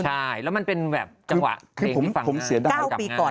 ใช่แล้วมันเป็นแบบจังหวะเตรียมที่ฟังง่ายกลับง่าย